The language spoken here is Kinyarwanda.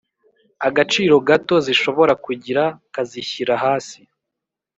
agaciro gato zishobora kugira kazishyira hasi